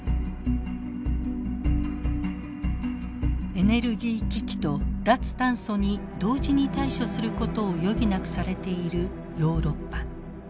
エネルギー危機と脱炭素に同時に対処することを余儀なくされているヨーロッパ。